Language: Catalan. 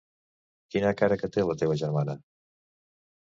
Quina cara que té la teva germana.